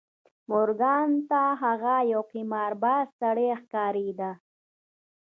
مورګان ته هغه یو قمارباز سړی ښکارېده